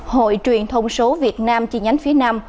hội truyền thông số việt nam chi nhánh phía nam